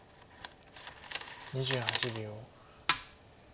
２８秒。